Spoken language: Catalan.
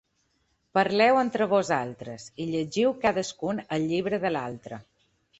Parleu entre vosaltres i llegiu cadascun el llibre de l’altre.